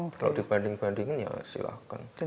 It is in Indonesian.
kalau dibanding bandingin ya silahkan